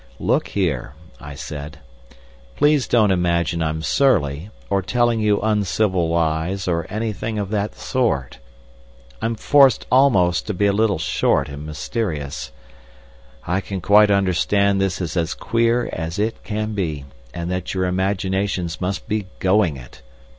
"Look here," I said. "Please don't imagine I'm surly or telling you uncivil lies, or anything of that sort. I'm forced almost, to be a little short and mysterious. I can quite understand this is as queer as it can be, and that your imaginations must be going it.